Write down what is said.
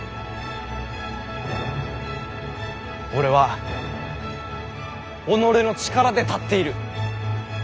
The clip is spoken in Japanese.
俺は己の力で立っている。